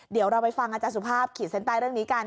เดี๋ยวเราไปฟังอาจารย์สุภาพขีดเส้นใต้เรื่องนี้กัน